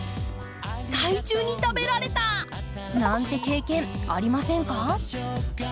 害虫に食べられた！なんて経験ありませんか？